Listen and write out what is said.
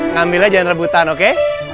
ngambilnya jangan rebutan oke